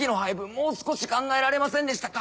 もう少し考えられませんでしたか？」